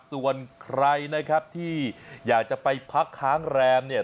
ส่วนใครนะครับที่อยากจะไปพักค้างแรมเนี่ย